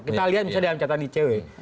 kita lihat misalnya dalam catatan icw